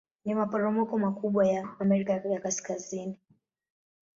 Ni maporomoko makubwa ya Amerika ya Kaskazini.